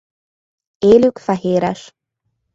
Élük fehéres.